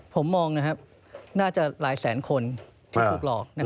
ผมมองนะครับน่าจะหลายแสนคนที่ถูกหลอกนะครับ